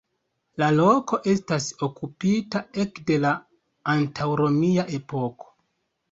La loko estas okupita ekde la antaŭromia epoko.